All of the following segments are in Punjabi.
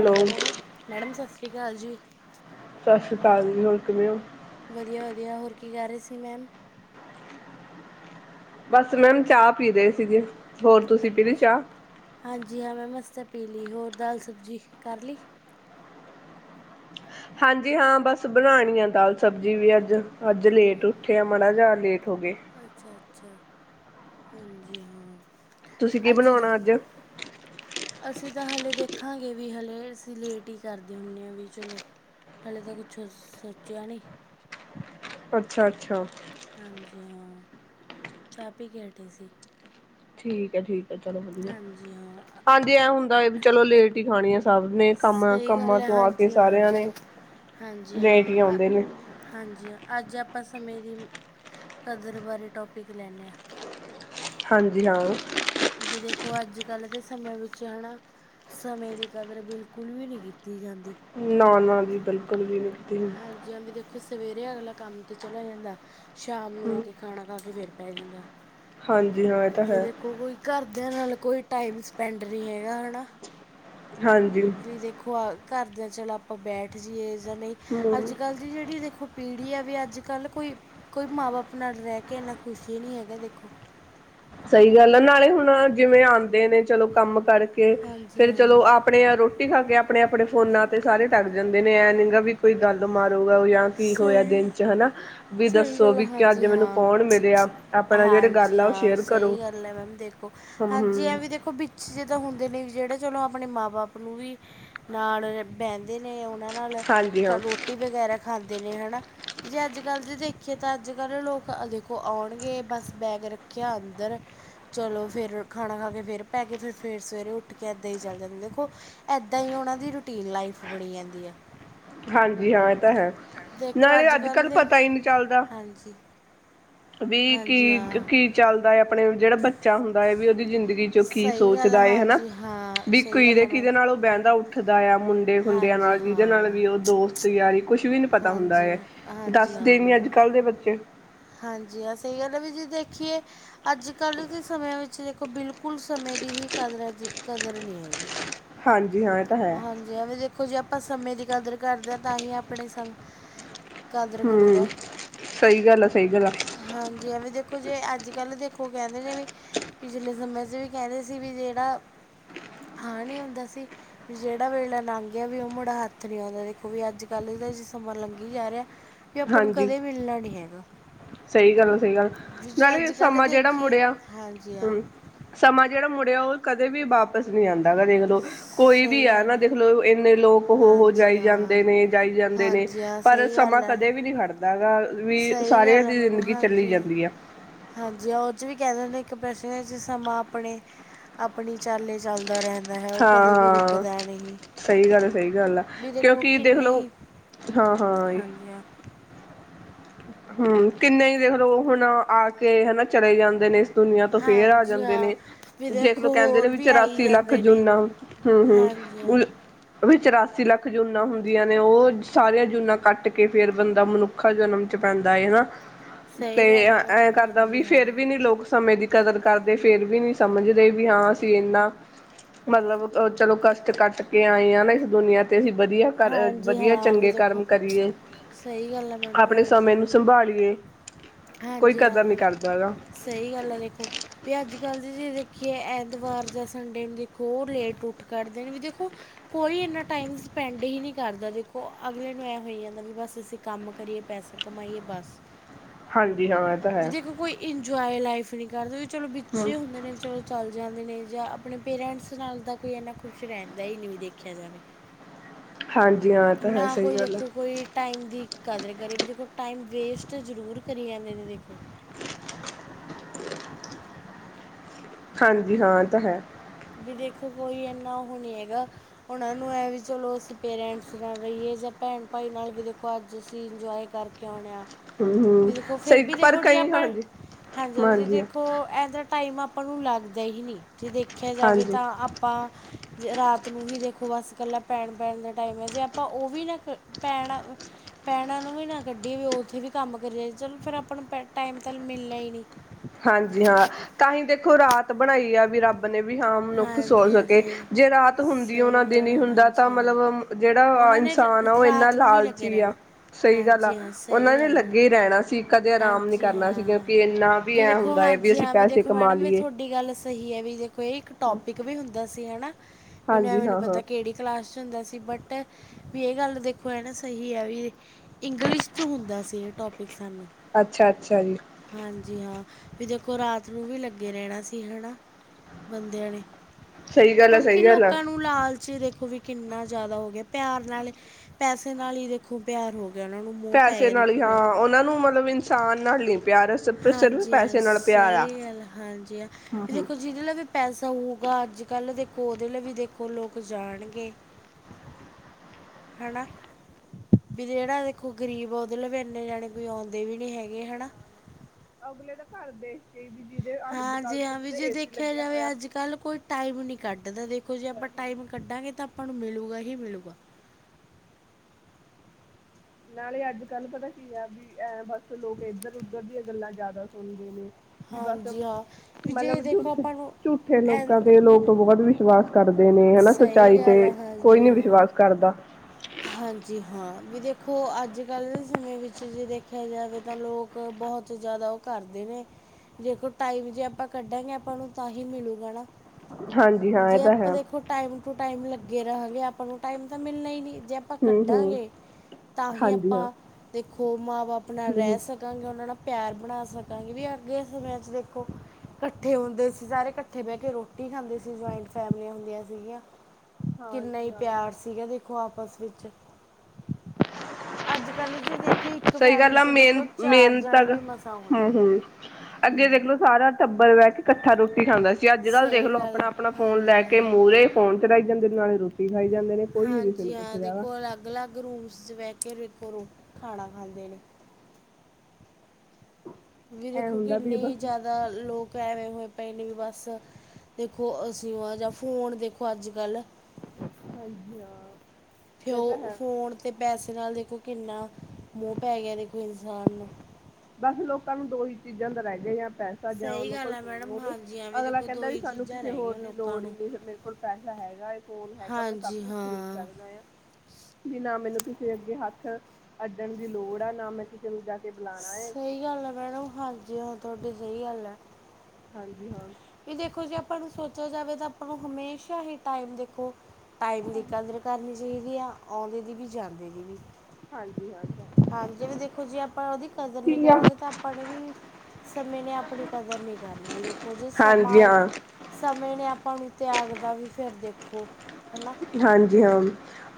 ਹੈਲੋ ਮੈਡਮ ਸਤਿ ਸ਼੍ਰੀ ਕਾਲ ਜੀ ਤਾਂ ਵੀ ਹੋਰ ਕਿਵੇਂ ਹੋ? ਵਧੀਆ ਵਧੀਆ ਹੋਰ ਕੀ ਕਰ ਰਹੇ ਸੀ ਮੈਮ ਬਸ ਮੈਮ ਚਾਹ ਪੀ ਰਹੇ ਸੀਗੇ ਹੋਰ ਤੁਸੀਂ ਪੀ ਲਈ ਅੱਛ ਚਾਹ ਹਾਂਜੀ ਹਾਂ ਮੈਂਮਸ ਅਸੀ ਤੇ ਪੀਲੀ ਹੋਰ ਦਾਲ ਸਬਜ਼ੀ ਕਰ ਲਈ? ਹਾਂਜੀ ਹਾਂ ਬਸ ਬਣਾਉਣੀ ਆ ਦਾਲ ਸਬਜ਼ੀ ਵੀ ਅੱਜ ਅੱਜ ਲੇਟ ਉੱਠੇ ਆ ਮਾੜਾ ਜ ਲੇਟ ਹੋ ਗਏ ਅੱਛਾ ਅੱਛਾ ਹਾਂਜੀ ਹਾਂ ਤੁਸੀਂ ਕੀ ਬਣਾਉਣਾ ਅੱਜ ਅਸੀਂ ਤਾਂ ਹਲੇੇ ਦੇਖਾਂਗੇ ਵੀ ਹਲੇੇ ਅਸੀਂ ਲੇਟ ਹੀ ਕਰਦੇ ਹੁੰਦੇ ਹ ਵੀ ਚਲੋ ਹਲੇ ਤਾਂ ਕੁਛ ਸੋਚਿਆ ਨੀ ਅੱਛਾ ਅੱਛਾ ਹਾਂਜੀ ਹਾਂ ਚਾਬੀ ਗੇਰ ਦੀ ਸੀ ਠੀਕ ਹੈ ਠੀਕ ਹੈ ਚਲੋ ਵਧੀਆ ਹਾਂਜੀ ਹਾਂ ਅ ਹਾਂਜੀ ਐ ਹੁੰਦਾ ਹੈ ਵੀ ਚਲੋ ਲੇਟ ਹੀ ਖਾਣੀ ਆ ਸਭ ਨੇ ਕੰਮ ਸਹੀ ਗੱਲ ਕੰਮਾਂ ਹੈ ਤੋਂ ਆ ਕੇ ਹਾਂਜੀ ਹਾਂ ਸਾਰਿਆਂ ਨੇ ਹਾਂਜੀ ਲੇਟ ਹਾਂ ਹੀ ਅ ਆਉਂਦੇ ਨੇ ਹਾਂਜੀ ਅੱਜ ਆਪਾਂ ਸਮੇਂ ਦੀ ਕਦਰ ਬਾਰੇ ਟੋਪਿਕ ਲੈਂਨੇ ਹਾਂ ਹਾਂਜੀ ਹਾਂ ਵੀ ਦੇਖੋ ਅੱਜ ਕੱਲ੍ਹ ਦੇ ਸਮੇਿਆਂ ਵਿੱਚ ਹਨਾ ਸਮੇਂ ਦੀ ਕਦਰ ਬਿਲਕੁਲ ਵੀ ਨਹੀਂ ਕੀਤੀ ਲਿਆਂਦੀ ਨਾ ਨਾ ਜੀ ਦੀ ਬਿਲਕੁਲ ਵੀ ਨਿ ਕਦੀ ਹਾਂਜੀ ਐਵੇਂ ਦੇਖੋ ਸਵੇਰੇ ਅਗਲਾ ਕੰਮ ਤੇ ਚਲਾ ਜਾਂਦਾ ਸ਼ਾਮ ਨੂੰ ਆ ਹਮ, ਕੇ ਖਾਣਾ ਖਾ ਕੇ ਫਿਰ ਪੈ ਜਾਂਦਾ ਹਾਂਜੀ ਹਾਂ ਇਹ ਤਾਂ ਫਿਰ ਹੈ ਇੱਕਖੋ ਕੋਈ ਘਰ ਜਿਨਾ ਨਾਲ ਕੋਈ ਟਾਈਮ ਸਪੈਂਡ ਨਹੀਂ ਹੈਗਾ ਹੈ ਨਾ ਹਾਂਜੀ ਵੀ ਦੇਖੋ ਆ ਘਰਦਿਆਂ ਚਲ ਆਪਾਂ ਬੈਠ ਜਾਈਏ ਜਾਂ ਨਹੀਂ ਹਮ ਅੱਜ ਕੱਲ ਜਿਹੜੀ ਦੇਖੋ ਪੀੜੀ ਆ ਵੀ ਅੱਜ ਕੱਲ ਕੋਈ ਕੋਈ ਮਾਂ ਬਾਪ ਨਾਲ ਰਹਿ ਕੇ ਇੰਨਾ ਖੁਸ਼ੀ ਨਹੀਂੀ ਹੈਗਾ ਦੇਖੋ [unintelligible] ਸਹੀ ਗੱਲ ਆ ਨਾਲੇ ਹੁਣ ਜਿਵੇਂ ਆਉਂਦੇ ਨੇ ਚਲੋ ਕੰਮ ਕਰ ਹਾਂਜੀ ਫੇਰ ਹਾਂ ਚਲੋ ਆਪਣੇ ਰੋਟੀ ਖਾ ਕੇ ਆਪਣੇ ਆਪਣੇ ਫੋਨਾਂ ਤੇ ਸਾਰੇ ਢੱਕ ਜਾਂਦੇ ਨੇ ਐ ਨੀ ਗ ਵੀ ਕੋਈ ਗੱਲ ਗਾ ਜਾਂ ਕੀ ਹੋਇਆ ਸਹੀ ਦਿਨ ਚ ਹੈਨਾ, ਵੀ ਸਹੀ ਦੱਸੋ ਗੱਲ ਹੈ ਵੀ ਕ ਅੱਜੇ ਹਾਂਜੀ ਮੈਨੂੰ ਹਾਂ। ਕੌਣ ਮਿਲਿਆ ਆਪਣਾ ਜਿਹੜੇ ਗੱਲ ਹਾਂਜੀ ਆ ਉਹ ਹਾਂ ਸ਼ੇਅਰ ਕਰੋ ਸਹੀ ਗੱਲ ਹੈ ਮੈਮ ਦੇਖੋ, ਹਮ ਹਾਂਜੀ ਹਮ ਐਵੇ ਵੀਂ ਦੇਖੋ ਵਿੱਚ ਜੇ ਤਾਂ ਹੁੰ ਲਈ ਜਿਹੜੇ ਚਲੋ ਆਪਣੇ ਮਾਂ ਬਾਪ ਨੂੰ ਵੀ ਨਾਲ ਬਹਿੰਦੇ ਨੇ, ਉਹਨਾਂ ਨਾਲ ਹਾਂਜੀ ਹਾਂ ਰੋਟੀ ਵਗੈਰਾ। ਖਾਂਦੇ ਨੇ ਹੈਾ ਜੇ ਅੱਜ ਕੱਲ੍ਹ ਜੇ ਦੇਖੀਏ ਤਾਂ ਅੱਜ ਕੱਲ੍ਹ ਲੋਕ ਆ ਦੇਖੋ ਆਉਣਗੇ ਬੱਸ ਬੈਗ ਰਖ ਕਿਆ ਅੰਦਰ ਚਲੋ ਫਿਰ ਖਾਣਾ ਖਾ ਕੇ ਫਿਰ ਪੈ ਕੇ ਫਿਰ ਫਿਰ ਸਵੇਰੇ ਉੱਠ ਕੇੱ ਦਹੀਂ ਚਲ ਜਾਂਦੇ ਦੇਖੋ ਇੱਦਾਂ ਹੀ ਉਹਨਾਂ ਦੀ ਰੂਟੀਨ ਲਾਈਫ ਬਣੀ ਜਾਂਦੀ ਆ ਹਾਂਜੀ ਹਾਂ ਇਹ ਤਾਂ ਹੈ ਨਾਲੇ ਅੱਜ ਕੱਲ੍ਹ ਪਤਾ ਹੀ ਨਹੀਂੀ ਚੱਲਦਾ ਹਾਂਜੀ ਵੀ ਕੀ ਹਾਂਜੀ ਹਾਂ। ਕੀ ਚੱਲਦਾ ਹੈ ਆਪਣੇ ਜਿਹੜਾ ਬੱਚਾ ਹੁੰਦਾ ਹੈ ਵੀ ਉਹਦੀ ਜ਼ਿੰਦਗੀ ਵਿਚੋ ਕੀ ਸਹੀ ਗੱਲ ਆ ਸੋਚਦਾ ਹੈ ਹਨਾ ਹਾਂਜੀ ਹਾਂ ਵੀ ਸਹੀ ਗੱਲ ਕਿਦੇ ਆ ਮੈਡਮ ਕਿਦੇ ਨਾਲ ਉਹ ਬਹਿੰਦਾ ਉੱਠਦਾ ਆ ਮੁੰਡੇ ਖੁੰਡਿਆਂ ਹਾਂਜੀ ਨਾਲ ਜਿਹਦੇ ਹਾਂ ਨਾਲ ਵੀ ਉਹ ਦੋਸਤ ਯਾਰੀ ਕੁਛ ਵੀ ਨੀ ਪਤਾ ਹੁੰਦਾ ਹਾਂਜੀ ਹੈ ਮੈ ਹਾਂਜੀ ਹਾਂ ਦੱਸਦੇ ਨੀ ਅੱਜ ਮੈਡਮ ਕੱਲ ਦੇ ਬੱਚੇ ਹਾਂਜੀ ਅ ਸਹੀ ਗੱਲ ਹੈ ਵੀ ਜੇ ਦੇਖੀਏ ਅੱਜ ਕੱਲ੍ਹ ਦੇ ਸਮੇਿਆਂ ਵਿੱਚ ਬਿਲਕੁਲ ਸਮੇਂ ਦੀ ਹੀ ਕਦਰਤ ਕਦਰ ਨਹੀਂ ਹੈਗੀ ਹਾਂਜੀ ਹਾਂ ਇਹ ਤਾਂ ਹੈ ਹਾਂਜੀ ਐਵੇਂ ਦੇਖੋ ਜੇ ਆਪਾਂ ਸਮੇਂ ਦੀ ਕਦਰ ਕਰਦੇ ਹਾਂ ਤਾਂ ਹੀ ਆਪਣੇ ਸਭ ਕਦਰ ਹਮ ਕਰੂਗਾ ਸਹੀ ਗੱਲ ਆ ਸਹੀ ਗੱਲ ਆ ਹਾਂਜੀ ਆਵੇ ਦੇਖੋ ਜੇ ਅੱਜ ਕੱਲ ਦੇਖੋ ਉਹ ਕਹਿੰਦੇ ਨੇ ਵੀ ਪਿਛਲੇ ਸਮੇਂ 'ਚ ਵੀ ਕਹਿੰਦੇ ਸੀ ਵੀ ਜਿਹੜਾ ਹਾਂ ਨੀ ਹੁੰਦਾ ਸੀ, ਵੀ ਜਿਹੜਾ ਵੇਲਾ ਲੰਘ ਗਿਆ ਵੀ ਉਹ ਮੁੜ ਹੱਥ ਨੀ ਆਉਂਦਾ, ਦੇਖੋ ਵੀ ਅੱਜ ਕੱਲ ਦਾ ਸਮਾਂ ਲੰਘੀ ਜਾ ਰਿਹਾ ਹੈ। ਵੀ ਆਪਾਂ ਨੂੰ ਹਾਂਜੀ ਕਦੇ ਮਿਲਣਾ ਨੀ ਹੈਗਾ। ਸਹੀ ਗੱਲ ਆ ਸਹੀ ਗੱਲ, ਵੀ ਜੇ ਨਾਲੇ ਅੱਜ ਕੱਲ੍ਹ ਸਮਾਂ ਜਿਹੜਾ ਦੇਖੀਏ ਮੁੜਿਆ ਹਾਂਜੀ ਹਾਂ ਹੂ ਸਮਾਂ ਜਿਹੜਾ ਮੁੜੇ ਵੇ ਔ ਕਦੇ ਵੀ ਵਾਪਿਸ ਨਹੀਂ ਆਉਂਦਾ, ਵੇਖ ਲੋ। ਕੋਈ ਵੀ ਸਹੀ ਆ ਗੱਲ ਨਾ ਹੈ ਦੇਖ ਲੋ, ਇੰਨੇ ਲੋਕ ਹੋ, ਹਾਂਜੀ ਜਾਈ ਹਾਂ ਜਾਂਦੇ ਨੇ ਜਾਈ ਜਾਂਦੇ ਨੇ, ਹਾਂਜੀ ਹਾਂ ਪਰ ਸਹੀ ਸਬ ਔ ਗੱਲ ਹੈ ਕਦੇ ਵੀ ਨੀ ਹਟਦਾ ਹੈਗਾ, ਵੀ ਸਾਰੀਆਂ ਹਾਂਜੀ ਹਾਂਜੀ ਹਾਂਜੀ ਉਹ ਚ ਵੀ ਕਹਿ ਦਿੰਦੇ ਇੱਕ ਪ੍ਰਸ਼ਨ ਚ ਸਮਾਂ ਆਪਣੇ, ਆਪਣੀ ਚਾਲੇ ਚੱਲਦਾ ਰਹਿੰਦਾ ਹੈ ਉਹ ਹਾਂ ਕਦੇ ਵੀ ਹਾਂ ਰੁਕਦਾ ਨਹੀਂ ਸਹੀ ਗੱਲ, ਸਹੀ ਗੱਲ ਐ, ਵੀ ਦੇਖੋ ਕਿਉਂਕਿ ਦੇਖ ਕਿੰਨੇ ਲੋ ਹੀ ਹਾਂ ਹਾਂ ਹਾਂਜੀ ਹਾਂ ਹੂ ਕਿੰਨੇ ਹੀ ਦੇਖ ਲੋ, ਹੁਣ ਆ ਕੇ ਹੈਨਾ ਚਲੇ ਜਾਂਦੇ ਨੇ। ਦੁਨੀਆਂ ਤੋਂ ਫੇਰ ਆ ਹਾਂਜੀ ਜਾਂਦੇ ਹਾਂ ਨੇ, ਵੀ ਦੇੇਖ ਲੋ ਦੇਖੋ ਕਹਿੰਦੇ ਨੇ ਹੋਰ ਵੀ ਚੁਰਾਸੀ ਲੱਖ ਜੂਨਾ, ਹੂ ਹੂ। ਜਿਯਾ ਵੀ ਚੁਰਾਸੀ ਲੱਖ ਜੂਨਾ ਹੁੰਦੀਆਂ ਨੇ, ਔ ਸਾਰੀਆਂ ਜੂਨਾ ਕੱਟ ਕੇ, ਫੇਰ ਬੰਦਾ ਮਨੁੱਖਾ ਜਨਮ ਪੈਂਦਾ ਹੈਨਾ, ਸਹੀ ਤੇ ਗੱਲ ਹੈ ਐਂ ਮੈਡਮ ਕਰਦਾ ਹਾਂਜੀ ਵੀ ਹਾਂ ਫੇਰ ਵੀ ਨੀ ਲੋਕ ਸਮਝ ਦੇ। ਕਦਰ ਕਰਦੇ, ਫੇਰ ਵੀ ਨੀ ਸਮਝਦੇ ਵੀ ਹਾਂ ਅਸੀਂ ਇੰਨਾ ਮਤਲਬ ਚਲੋ ਕਸ਼ਟ ਕੱਟ ਕੇ ਆਏ ਆ ਨਾ, ਇਸ ਦੁਨੀਆਂ ਤੇਸੀਂ ਵਧੀਆ ਕਰ ਹਾਂਜੀ ਵਧੀਆ ਹਾਂ ਵੀ ਚੰਗੇ ਕਰਮ ਦੇਖੋ ਕਰੀਏ, ਸਹੀ ਗੱਲ ਹੈ ਮੈਡਮ ਆਪਣੇ ਹਾਂਜੀ ਸਮੇਂ ਨੂੰ ਸੰਭਾਲੀਏ ਕੋਈ ਹਾਂਜੀ ਕਦਰ ਹਾਂ ਨਹੀਂ ਕਰਦਾ ਹੈਗਾ ਸਹੀ ਗੱਲ ਹੈ ਦੇਖੋ, ਵੀ ਅੱਜ ਕੱਲ੍ਹ ਦੀ ਜ ਦੇ ਕਿ ਐਤਵਾਰ ਜਾਂ ਸੰਡੇ ਨੂੰ, ਦੇਖੋ ਲੇਟ ਉੱਠ ਕਰੱਦੇ ਨੇ ਵੀ ਦੇਖੋ ਕੋਈ ਇੰਨਾਂ ਟਾਈਮ ਡੀਪੈਂਡ ਹੀ ਨਹੀਂ ਕਰਦਾ, ਦੇਖੋ ਅਗਲੇ ਨੂੰ ਐਂ ਹੋ ਜਾਂਦਾ ਵੀ ਬਸ ਅਸੀਂ ਕੰਮ ਕਰੀਏ ਪੈਸਾ ਕਮਾਈਏ ਬਸ। ਹਾਂਜੀ ਹਾਂ ਇਹ ਤਾਂ ਵੀ ਹੈ ਦੇਖੋ ਕੋਈ ਇੰਜੋਏ ਲਾਈਫ ਨਹੀਂ ਕਰਦਾ, ਵੀ ਚਲੋ ਹਮ ਵਿੱਚੇ ਹੁੰਦੇ ਨੇ ਚਲੋ ਚੱਲ ਜਾਂ ਨੇ ਜਾਂ ਆਪਣੇ ਪੇਰੈਂਟਸ ਨਾਲ ਤਾਂ ਕੋਈ ਇਨਾ ਖੁਸ਼ ਰਹਿੰਦਾ ਹੀ ਨਹੀਂ, ਦੇਖਿਆ ਜਾਵੇ ਹਾਂਜੀ ਹਾਂ ਇਹ ਤਾਂ ਨਾ ਹੈ ਸਹੀ ਕੋਈ ਗੱਲ ਹੈ ਦੇਖੋ, ਕੋਈ ਟਾਈਮ ਦੀ ਕਦਰ ਕਰੇ ਵੀ ਦੇਖੋ ਟਾਈਮ ਵੇਸਟ ਜ਼ਰੂਰ, ਕਰੀ ਜਾਂਦੇ ਨੇ ਦੇਖੋ। [inaudible] ਹਾਂਜੀ, ਹਾਂ ਤਾਂ ਹੈ ਵੀ ਦੇਖੋ ਕੋਈ ਇੰਨਾ ਉਹ ਨਹੀਂ ਹੈਗਾ, ਉਹਨਾਂ ਨੂੰ ਐ ਵੀ ਚਲੋ ਅਸੀਂ ਪੇਰੈਂਟਸ ਨਾਲ ਰਹੀਏ ਜਾਂ ਭੈਣ ਭਾਈ ਨਾਲ ਵੀ ਦੇਖੋ ਅੱਜ ਅਸੀਂ ਇੰਜੋਏ ਕਰਕੇ ਆਉਣੇ ਹਾਂ ਹਮ ਹਮ ਬਿਲਕੁਲ ਫਿਰ ਸਹੀ ਵੀ ਪਰ ਦੇਖੋ ਜੇ ਕਈ ਆਪਾਂ, ਹਾਂਜੀ ਹਾਂਜੀ ਦੇਖੋ ਐਟ ਦਾ ਟਾਈਮ ਆ ਆਪਾਂ ਨੂੰ ਲੱਗਦਾ ਹੀ ਨਹੀਂ, ਜੇ ਦੇਖਿਆ ਜਾਵੇ ਹਾਂਜੀ ਤਾਂ ਆਪਾਂ ਰਾਤ ਨੂੰ ਹੀ ਦੇਖੋ ਬਸ ਇਕੱਲਾ ਪੈਣ -ਪੈਣ ਦਾ ਟਾਈਮ ਹੈ, ਜੇ ਆਪਾਂ ਉਹ ਵੀ ਨਾ ਕ ਪੈਣ, ਪੈਣਾ ਨੂੰ ਵੀ ਨਾ ਕੱਢ ਗੱਡੀ ਵੀ ਉੱਥੇ ਵੀ ਕੰਮ ਕਰੀ ਜਾ ਚਲ, ਫਿਰ ਆਪਣਾ ਟਾਈਮ ਤ ਮਿਲਣਾ ਹੀ ਨਹੀਂ ਹਾਂਜੀ ਹਾਂ ਤਾਂ ਹੀ ਦੇਖੋ, ਰਾਤ ਬਣਾਈ ਆ ਵੀ ਰੱਬ ਨੇ ਵੀ ਹਾਂ ਮਨੁੱਖ ਸੋ ਹਾਂਜੀ ਹਾਂ, ਸਕੇ, ਸਹੀ ਜੇ ਰਾਤ ਹੁੰਦੀ ਉਹਨਾ ਸਹੀ ਦਿਨ ਗੱਲ ਹੀ ਆ, ਹੁੰਦਾ ਤਾਂ ਹਾਂਜੀ ਹਾਂ ਮਤਲਬ ਜਿਹੜਾ ਉਹਨਾਂ ਨੇ ਇਨਸਾਨ ਆ ਰ- ਉਹ ਇੰਨਾ ਰਾਤ ਨੂੰ ਵੀ ਲੱਗੇ ਲਾਲਚੀ ਆ, ਰਹਿਣਾ ਸਹੀ ਗੱਲ ਆ ਹਾਂਜੀ ਹਾਂ ਉਹਨਾਂ ਸਹੀ ਨੇ ਗੱਲ ਆ। ਲੱਗੇ ਹੀ ਰਹਿਣਾ ਸੀ ਕਦੇ ਰਾਮ ਨੀ ਹਾਂਜੀ ਕਰਨਾ ਸੀ ਹਾਂ। ਕਿਉਂਕਿ ਇੰਨਾ ਵੀ ਐ ਦੇਖੋ ਹੁੰਦਾ ਹੈ ਹਾਂਜੀ ਅਸੀਂ ਹਾਂ, ਵੀ ਪੈਸੇ ਦੇਖੋ ਕਮਾ ਮੈਡਮ ਵੀ ਲਈਏ ਤੁਹਾਡੀ ਗੱਲ ਸਹੀ ਹੈ, ਵੀ ਦੇਖੋ ਇਹ ਇੱਕ ਟੋਪਿਕ ਵੀ ਹੁੰਦਾ ਸੀ ਹੈ ਨਾ। ਮੈਨੂੰ ਹਾਂਜੀ ਮੈਨੂੰ ਹਾਂ ਪਤਾ ਹਾਂ ਕਿਹੜੀ ਕਲਾਸ ਚ ਹੁੰਦਾ ਸੀ, ਬਟ ਵੀ ਇਹ ਗੱਲ ਦੇਖੋ ਹੈ ਨਾ ਸਹੀ ਹੈ ਵੀ, ਇੰਗਲਿਸ਼ ਚ ਹੁੰਦਾ ਸੀ ਇਹ ਟੋਪਿਕ ਸਾਨੂੰ। ਅੱਛਾ ਅੱਛਾ ਜੀ ਹਾਂਜੀ ਹਾਂ ਵੀ ਦੇਖੋ ਰਾਤ ਨੂੰ ਵੀ ਲੱਗੇ ਰਹਿਣਾ ਸੀ ਹੈਨਾ ਬੰਦਿਆਂ ਨੇ ਸਹੀ ਗੱਲ ਆ ਸਹੀ ਗੱਲ ਆ ਚੇ ਦੇਖੋ ਵੀ ਕਿੰਨਾ ਜ਼ਿਆਦਾ ਹੋ ਗਿਆ, ਪਿਆਰ ਨਾਲ ਪੈਸੇ ਨਾਲ ਹੀ ਦੇਖੋ ਪਿਆਰ ਹੋ ਗਿਆ ਉਹਨਾਂ ਨੂੰ ਮੋਹ ਪੈ ਪੈਸੇ ਗਿਆ ਨਾਲ ਦੇਖੋ ਹੀ, ਪਿਆ ਹਾਂ ਉਹਨਾਂ ਨੂੰ ਮਤਲਬ ਇਨਸਾਨ ਨਾਲ ਨ ਹਾਂਜੀ ਹਾਂ ਸਹੀ ਗੱਲ ਹਾਂਜੀ ਆ, ਵੀ ਹੂੰ-ਹੂੰ। ਦੇਖੋ ਜਿਹਦੇ ਨਾਲ ਵੀ ਪੈਸਾ ਹੋਊਗਾ ਅੱਜ ਕੱਲ੍ਹ ਦੇਖੋ ਉਹਦੇ ਲਈ ਵੀ ਦੇਖੋ ਲੋਕ ਲੋਕ ਜਾਣਗੇ ਹੈਨਾ ਵੀ ਜਿਹੜਾ ਦੇਖੋ ਗ਼ਰੀਬ ਉਹਦੇ ਲੇ ਵੀ, ਇੰਨੇ ਜਾਣੇ ਕੋਈ ਆਉਂਦੇ ਵੀ ਨੀ ਹੈਗੇ ਹਨਨਾ ਨਾ-ਨਾ। ਅਗਲੇ ਤਾਂ ਘਰਦੇ ਕਈ ਵੀ ਜਿਹਦੇ ਹਾਂ ਅੱਜ-ਕੱਲ ਜੀ ਤਾਂ ਹਾਂ ਵੀ, ਜਿਹਦੇ ਜੇ ਏਸੀ ਦੇਖਿਆ ਲੱਗਿਆ ਜਾਵੇ ਹੋਇਆ ਅੱਜ ਹਾਂ ਕੱਲ ਕੋਈ ਟਾਈਮ ਨੀ ਕੱਢਦਾ, ਦੇਖੋ ਜੇ ਆਪਾਂ ਹਾਂ, ਟਾਈਮ ਕੱ ਕਢਾਂਗੇ, ਤਾਂ ਆਪਾਂ ਨੂੰ ਮਿਲੂਗਾ ਹੀ ਮਿਲੂਗਾ ਨਾਲੇ ਅੱਜ ਕੱਲ੍ਹ, ਪਤਾ ਕੀ ਆ ਵੀ ਐ ਬਸ ਲੋਕ ਇੱਧਰ ਉਧਰ ਦੀਆਂ ਗੱਲਾਂ ਜ਼ਿਆਦਾ ਸੁਣਦੇ ਨੇ ਵੀ ਬਸ ਹਾਂਜੀ ਹਾਂ ਵੀ ਜੇ ਮਤਲਬ ਦੇਖੋ ਝੂਠੇ, ਆਪਾਂ ਨੂੰ ਝੂਠੇ ਐ ਲੋਕਾਂ ਤੇ ਲੋਕ ਤੋਂ ਬਹੁਤ ਵਿਸ਼ਵਾਸ ਕਰਦੇ ਨੇ, ਹਨਾ ਸਹੀ ਸੱਚਾਈ ਤੇ ਗੱਲ ਆ ਕੋਈ ਹਾਂਜੀ ਨੀ ਹਾਂ। ਵਿਸ਼ਵਾਸ ਕਰਦਾ ਹਾਂਜੀ ਹਾਂ ਵੀ ਦੇਖੋ ਅੱਜ ਕੱਲ੍ਹ ਦੇ ਸਮੇਂ ਵਿੱਚ ਜੇ ਦੇਖਿਆ ਜਾਵੇ ਤਾਂ ਲੋਕ ਬਹੁਤ ਜ਼ਿਆਦਾ ਉਹ ਕਰਦੇ ਨੇ ਦੇਖੋ ਟਾਈਮ ਜੇ ਆਪਾਂ ਕੱਢਾਂਗੇ, ਆਪਾਂ ਨੂੰ ਤਾਂ ਹੀ ਮਿਲੂਗਾ ਨਾ ਹਾਂਜੀ ਹਾਂ, ਇਹ ਜੇ ਤਾਂ ਆਪਾਂ ਹੈ। ਦੇਖੋ ਟਾਈਮ ਟੂ ਟਾਈਮ, ਲੱਗੇ ਰਹਾਂਗੇ ਆਪਾਂ ਨੂੰ ਟਾਈਮ ਤਾਂ ਮਿਲਣਾ ਹੀ ਨੀ ਜੇ ਆਪਾਂ ਹੂੰ-ਹੂੰ। ਕੱਢਾਂਗੇ ਤਾਂ ਹੀ ਹਾਂਜੀ ਹਾਂ ਆਪਾਂ ਦੇਖੋ, ਮਾਂ ਬਾਪ ਨਾਲ ਹੂੰ ਰਹਿ ਹੂੰ ਸਕਾਂਗੇ ਉਹਨਾਂ ਨਾਲ ਪਿਆਰ ਬਣਾ ਸਕਾਂਗੇ, ਵੀ ਅੱਗੇ ਸਮਿਆਂ ਚ ਦੇਖੋ ਇਕੱਠੇ ਹੁੰਦੇ ਸੀ ਸਾਰੇ ਇਕੱਠੇ ਬਹਿ ਕੇ ਰੋ ਰੋਟੀ ਖਾਂਦੇ ਸੀ, ਜੁਆਇੰਟ ਫੈਮਲੀਆਂ ਹੁੰਦੀਆਂ ਸੀਗੀਆਂ ਕਿੰਨਾ ਹੀ ਹਾਂਜੀ ਪਿਆਰ ਹਾਂ ਸੀਗਾ, ਦੇਖੋ ਆਪਸ ਵਿੱਚ ਅੱਜ ਕੱਲ੍ਹ ਜੀ ਦੇਖੀਏ ਇੱਕ ਸਹੀ ਗੱਲ ਫੈਮਿਲੀ ਆ ਚ, ਦੇਖੋ ਮੇਨ ਚਾਰ ਮੇਨ ਜਣੇ ਤੱਕ ਵੀ ਮਸਾਂ ਹੂੰ ਹੋਣਗੇ ਹੂੰ ਅੱਗੇ ਹਾਂਜੀ ਦੇਖਲੋ ਸਾਰਾ ਟੱਬਰ ਬਹਿ ਕੇ ਇਕੱਠਾ ਰੋਟੀ ਖਾਂਦਾ ਸੀ, ਅੱਜ ਕੱਲ੍ਹ ਸਹੀ ਦੇਖਲੋ ਗੱਲ ਹੈ, ਆਪਣਾ ਆਪਣਾ ਫੋਨ ਹਾਂਜੀ ਲੈ ਕੇ ਹਾਂ ਮ ਫੋਨ ਚਲਾਈ ਜਾਂਦੇ ਨਾਲੇ ਰੋ ਹਾਂਜੀ ਹਾਂ, ਦੇਖੋ ਅਲੱਗ-ਅਲੱਗ ਰੂਮਸ ਚ ਬੈਠ ਫਿਰ ਇੱਕ ਰੋ ਖਾਣਾ ਖਾਂਦੇ ਨੇ ਵੀ ਐ ਦੇਖੋ, ਹੁੰਦਾ ਵੀ ਕਿੰਨੇ ਬਸ ਜ਼ਿਆਦਾ ਲੋਕ ਕਿ ਐਵੇਂ ਹੋਏ ਪਏ ਨੇ, ਵੀ ਬਸ ਦੇਖੋ ਅਸੀਂ ਉਹ ਜਾਂ ਫੋਨ ਦੇਖੋ ਅੱਜ ਕੱਲ੍ਹ ਯਾ ਫ ਫੋਨ ਤੇ ਪੈਸੇ ਨਾਲ ਦੇਖੋ ਕਿੰਨਾ ਮੋਹ ਪੈ ਗਿਆ, ਦੇਖੋ ਇਨਸਾਨ ਨੂੰ ਲੋਕਾਂ, ਨੂੰ ਦੋ ਹੀ ਚੀਜ਼ਾਂ ਦਾ ਰਹਿ ਗਏ ਹ ਪੈਸਾ ਜਾਂ ਸਹੀ ਉਹਨਾਂ ਗੱਲ ਕੋਲ ਹੈ ਫੋਨ ਮੈਡਮ ਹੋਵੇ, ਹਾਂਜੀ ਐਵੇਂ ਅਗਲਾ ਦੇਖੋ ਦੋ ਕਹਿੰਦਾ ਵੀ ਹੀ ਸਾਨੂੰ ਚੀਜ਼ਾਂ ਕਿਸੇ ਰਹਿ ਹੋਰ ਗਈਆਂ ਦੀ ਲੋਕਾਂ ਲੋੜ ਹੀ ਨੂੰ ਨਹੀਂ ਫਿਰ ਮੇਰੇ ਕੋਲ ਪੈਸਾ ਹੈਗਾ ਇਹ ਫੋਨ ਹੈਗਾ, ਮੈਂ ਸਭ ਹਾਂਜੀ ਕੁਛ ਖ਼ਰੀਦ ਹਾਂ ਸਕਦਾ ਆ, ਵੀ ਨਾ ਮੈਨੂੰ ਕਿਸੇ ਅੱਗੇ ਹੱਥ ਅੱਡਣ ਦੀ ਲੋੜ ਆ, ਨਾ ਮੈਂ ਕਿਸੇ ਨੂੰ ਜਾ ਕੇ ਬੁਲਾਣਾ ਹੈ ਸਹੀ ਗੱਲ ਹੈ ਮੈਡਮ ਹਾਂਜੀ ਹ ਤੁਹਾਡੀ ਸਹੀ ਗੱਲ ਹੈ। ਹਾਂਜੀ ਹਾਂ। ਵੀ ਦੇਖੋ ਜੇ ਆਪਾਂ ਨੂੰ ਸੋਚਿਆ ਜਾਵੇ ਤਾਂ ਆਪਾਂ ਨੂੰ ਹਮੇਸ਼ਾ ਹੀ ਟਾਈਮ ਦੇਖੋ ਟਾਈਮ ਦੀ ਕਦਰ ਕਰਨੀ ਚਾਹੀਦੀ ਆ ਆਉਂਦੇ ਦੀ ਵੀ ਜਾਂਦੇ ਦੀ ਵੀ। ਹਾਂਜੀ। ਹਾਂ ਹਾਂਜੀ ਵੀ ਦੇਖੋ ਜੇ ਆਪਾਂ ਉਹਦੀ ਕਦਰ ਨੀ ਠੀਕ ਆ ਕਰਾਂਗੇ ਤਾਂ ਆਪਾਂ ਨੇ ਵੀ ਸਮੇਂ ਨੇ ਆਪਣੀ ਕਦਰ ਨਹੀਂ ਕਰਨੀ, ਵੀ ਦੇਖੋ ਜੇ ਸਮਾਂ ਹਾਂਜੀ ਹਾਂ ਸਮੇਂ ਨੇ ਆਪਾਂ ਨੂੰ ਤਿਆਗ ਦਾ ਵੀ ਫਿਰ ਦੇਖੋ। ਹਨਾ ਹਾਂਜੀ ਹਾਂ,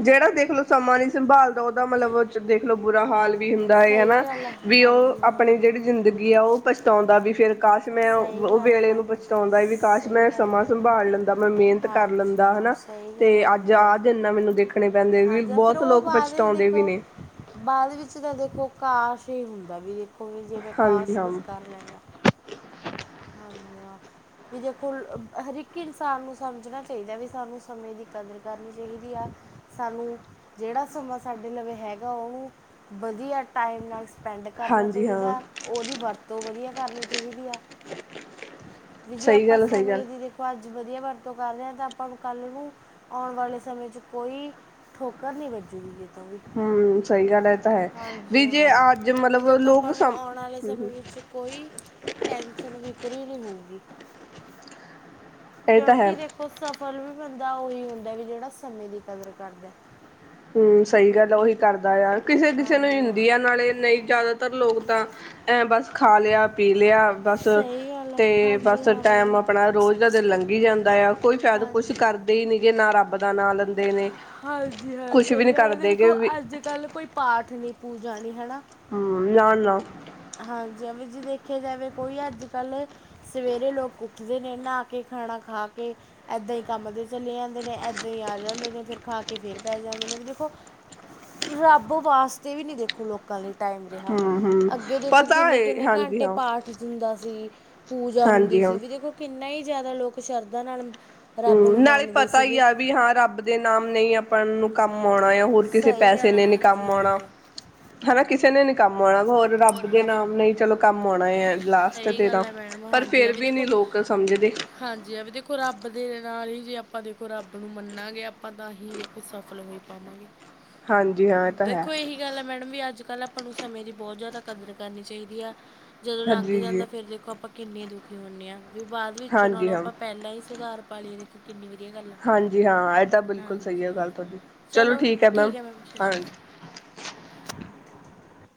ਜਿਹੜਾ ਦੇਖਲੋ ਸਮਾਂ ਨੀ ਸੰਭਾਲਦਾ ਉਹਦਾ ਮਤਲਬ ਦੇਖਲੋ ਬੁਰਾ ਹਾਲ ਵੀ ਹੁੰਦਾ ਹੈ ਸਹੀ ਹਨਾ, ਗੱਲ ਹੈ, ਵੀ ਹਾਂਜੀ ਉਹ ਹਾਂ ਆਪਣੀ ਜਿਹੜੀ ਜ਼ਿੰਦਗੀ ਆ ਉਹ ਪਛਤਾਉਂਦਾ ਵੀ ਫਿਰ ਕਾਸ਼ ਮੈਂ ਸਹੀ ਉਹ ਗੱਲ ਹੈ, ਵੇਲੇ ਨੂੰ ਹਾਂਜੀ ਪਛਤਾਉਂਦਾ ਵੀ ਕਾਸ਼ ਸਹੀ ਮੈਂ ਗੱਲ ਹੈ ਸਮਾਂ ਮੈਡਮ ਹਾਂ। ਸੰਭਾਲ ਲੈਂਦਾ, ਮੈਂ ਮਿਹਨਤ ਕਰ ਹਾਂਜੀ ਲੈਂਦਾ ਹਾਂ ਹਨਾ। ਸਹੀ ਤੇ ਗੱਲ ਹੈ, ਅੱਜ ਹਾਂਜੀ ਹਾਂ ਆਹ ਦਿਨ ਨਾ, ਮੈਨੂੰ ਦੇਖਣੇ ਪੈਂਦੇ ਵੀ ਹਾਂਜੀ ਫਿਰ ਬਹੁਤ ਉਹ ਲੋਕ ਬਾਅਦ ਵਿੱਚ ਪਛਤਾਉਂਦੇ ਵੀ ਦੇਖੋ ਨੇ। ਬਾਅਦ ਵਿੱਚ ਤਾਂ ਦੇਖੋ ਕਾਸ਼, ਹੀ ਹੁੰਦਾ ਵੀ ਦੇਖੋ ਵੀ ਜਿਵੇਂ ਹਾਂਜੀ ਕਾਸ਼, ਹਾਂ ਕੁਛ ਕਰ ਲੈਂਦਾ। ਜਾਂ ਆ ਵੀ ਦੇਖੋ ਹਰ ਇੱਕ ਇਨਸਾਨ ਨੂੰ ਸਮਝਣਾ ਚਾਹੀਦਾ ਵੀ, ਸਾਨੂੰ ਸਮੇਂ ਦੀ ਕਦਰ ਕਰਨੀ ਚਾਹੀਦੀ ਆ। ਸਾਨੂੰ, ਜਿਹੜਾ ਸਮਾਂ ਸਾਡੇ ਲਵੇਂ ਹੈਗਾ, ਉਹਨੂੰ ਵਧੀਆ ਟਾਈਮ ਨਾਲ ਸਪੈਂਡ ਕਰਨਾ ਹਾਂਜੀ ਹਾਂ ਚਾਹੀਦਾ, ਉਹਦੀ ਵਰਤੋਂ ਵਧੀਆ ਕਰਨੀ ਚਾਹੀਦੀ ਆ। ਵੀ ਜੇ ਸਹੀ ਆਪਾਂ ਗੱਲ ਸਹੀ ਗੱਲ ਸਮੇਂ ਦੀ ਦੇਖੋ ਅੱਜ ਵਧੀਆ ਵਰ ਤੋਂ ਕਰਦੇ ਹਾਂ, ਤਾਂ ਆਪਾਂ ਨੂੰ ਕੱਲ੍ਹ ਨੂੰ ਆਉਣ ਵਾਲੇ ਸਮੇਂ 'ਚ ਕੋਈ ਠੋਕਰ ਨਹੀਂ ਵੱਜੂਗੀ। ਹਮ ਸਹੀ ਗੱਲ ਇਹ ਤਾਂ ਹੈ ਹਾਂਜੀ ਵੀ ਜੇ ਹਾਂ, ਅੱਜ ਵੀ ਮਤਲਬ ਦੇਖੋ ਲੋਕ ਆਪਾਂ ਨੂੰ ਸਮ ਆਉਣ ਵਾਲੇ ਸਮੇਂ ਹਮ ਵਿੱਚ ਕੋਈ ਟੈਂਕ ਵਿਕਰੀ ਨੀ ਹੋਊਗੀ ਇਹ ਤਾਂ ਹੈ ਕਿਉਂਕਿ ਦੇਖੋ ਸਫਲ ਵੀ ਬੰਦਾ ਉਹੀ ਹੁੰਦਾ ਵੀ ਜਿਹੜਾ ਸਮੇਂ ਦੀ ਕਦਰ ਕਰਦਾ। ਹਮ ਸਹੀ ਗੱਲ ਆ ਉਹੀ ਕਰਦਾ ਆਰ ਕਿਸੇ ਕਿਸੇ ਨੂੰ ਹਾਂਜੀ ਹਾਂ ਹੁੰਦੀ ਹੈ ਨਾਲੇ ਨਹੀਂ ਜ਼ਿਆਦਾਤਰ ਲੋਕ ਤਾਂ ਐਂ ਬਸ ਖਾ ਲਿਆ ਪੀ ਲਿਆ। ਬਸ ਸਹੀ ਗੱਲ ਹੈ ਤੇ ਹਾਂਜੀ ਬਸ ਹਾਂ ਟੈਮ ਮੈਡਮ ਆਪਣਾ ਰੋਜ਼ ਦਾ ਦਿਨ ਲੰਘੀ ਜਾਂਦਾ ਆ ਕੋਈ ਫਾਇਦ ਕੁਛ ਹਾਂਜੀ ਕਰ ਦੇ ਹੀ ਨੀ ਜੇ ਨਾ ਰੱਬ ਦਾ ਨਾਂ ਲੈਂਦੇ ਨੇ। ਹਾਂਜੀ ਹਾਂ ਕੁਛ ਵੀ ਸਹੀ ਨੀ ਗੱਲ ਹੈ ਕਰਦੇ ਗੇ ਦੇਖੋ ਵੀ ਅੱਜ ਕੱਲ ਕੋਈ ਪਾਠ ਨੀ ਪੂਜਾ ਨਹੀਂ ਹਨਾ। ਹਮ ਨਾ ਨਾ ਹਾਂਜੀ ਵੀ ਜੀ ਦੇਖ ਦੇਖਿਆ ਜਾਵੇ ਕੋਈ ਅੱਜ ਕੱਲ੍ਹ ਸਵੇਰੇ ਲੋਕ ਉੱਠਦੇ ਨੇ ਨਹਾ ਕੇ ਖਾਣਾ ਖਾ ਕੇ ਇਏਦਾਂ ਹੀ ਕੰਮ ਦੇ ਚਲੇ ਜਾਂਦੇ ਨੇ ਇਏਦਾਂ ਹੀ ਆ ਜਾਂਦੇ ਨੇ ਫਿਰ ਖਾ ਕੇ ਫੇਰ ਪੈ ਜਾਂਦੇ ਨੇ ਵੀ ਦੇਖੋ ਰੱਬ ਵਾਸਤੇ ਵੀ ਨੀ ਦੇਖੋ ਲੋਕਾਂ ਲਈ ਟਾਈਮ ਰਿਹਾ। ਹਮ ਹਮ ਅੱਗੇ ਦੇਖੋ ਪਤਾ ਕਿੰਨੇ ਹੈ ਕਿੰਨੇ ਹਾਂਜੀ ਘੰਟੇ ਹਾਂ ਪਾਠ ਹੁੰਦਾ ਸੀ ਪੂਜਾ ਹੁੰਦੀ ਹਾਂਜੀ ਹਾਂ ਸੀ ਵੀ ਦੇਖੋ ਕਿੰਨਾ ਹੀ ਜ਼ਿਆਦਾ ਲੋਕ ਸ਼ਰਧਾ ਨਾਲ ਰੱਬ ਹਮ ਨੂੰ ਨਾਲੇ ਮੰਨਦੇ ਪਤਾ ਹੀ ਸੀਗੇ ਆ ਵੀ ਹਾਂ ਰੱਬ ਦੇ ਨਾਮ ਨਹੀਂ ਆਪਾਂ ਨੂੰ ਕੰਮ ਆਉਣਾ ਆ। ਹੋਰ ਕਿਸੇ ਸਹੀ ਪੈਸੇ ਗੱਲ ਆ ਨੇ ਨੀ ਹਾਂਜੀ ਕੰਮ ਆਉਣਾ ਹਾਂ ਹਨਾ ਕਿਸੇ ਨੇ ਨੀ ਕੰਮ ਹੋਰ ਰੱਬ ਦੇ ਨਾਮ ਨਹੀਂ ਚਲੋ ਕੰਮ ਆਉਣਾ ਹੈ। ਸਹੀ ਗੱਲ ਹੈ ਮੈਡਮ ਹਾਂਜੀ ਐ ਵੀ ਦੇਖੋ ਲੋਕ ਸਮਝਦੇ ਹਾਂਜੀ ਐ ਵੀ ਦੇਖੋ ਰੱਬ ਦੇ ਰ ਨਾਲ ਹੀ ਜੇ ਆਪਾਂ ਦੇਖੋ ਰੱਬ ਨੂੰ ਮੰਨਾਗੇ ਆਪਾਂ ਤਾਂ ਹੀ ਦੇਖੋ ਸਫਲ ਹੋਈ ਪਾਵਾਂਗੇ। ਹਾਂਜੀ ਹਾਂ ਇਹ ਤਾਂ ਹੈ ਦੇਖੋ ਇਹੀ ਗੱਲ ਹੈ ਮੈਡਮ ਵੀ ਅੱਜ ਕੱਲ ਆਪਾਂ ਨੂੰ ਸਮੇਂ ਦੀ ਬਹੁਤ ਜ਼ਿਆਦਾ ਕਦਰ ਕਰਨੀ ਚਾਹੀਦੀ ਆ ਜਦੋਂ ਲੰਘ ਹਾਂਜੀ ਜੀ ਜਾਂਦਾ ਫੇਿਰ ਦੇਖੋ ਆਪਾਂ ਕਿੰਨੇ ਦੁਖੀ ਹੁੰਦੇ ਆਾਂ ਵੀ ਬਾਅਦ ਵਿੱਚੋਂ ਨਾਲੋਂ ਹਾਂਜੀ ਹਾਂ ਆਪਾਂ ਪਹਿਲਾਂ ਹੀ ਸੁਧਾਰ ਪਾਲੀਏ ਦੇਖੋ ਕਿੰਨੀ ਵ ਸਹੀ ਗੱਲਾਂ ਹਾਂਜੀ ਹਾਂ ਇਹ ਤਾਂ ਬਿਲਕੁਲ ਸਹੀ ਹੈ ਹਾਂਜੀ ਗੱਲ ਹਾਂ ਤੁਹਾਡੀ ਚਲੋ ਠੀਕ ਹੈ ਮੈਮ ਸਤਿ ਸ਼੍ਰੀ ਹਾਂਜੀ ਅਕਾਲ। [inaudible]